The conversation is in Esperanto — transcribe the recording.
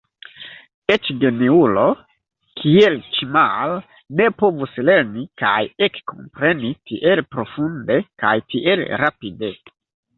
Eĉ geniulo, kiel Ĉimal, ne povus lerni kaj ekkompreni tiel profunde kaj tiel rapide.